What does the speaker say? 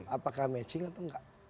apakah matching atau enggak